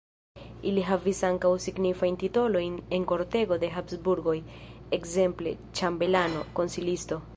Li havis ankaŭ signifajn titolojn en kortego de Habsburgoj, ekzemple ĉambelano, konsilisto.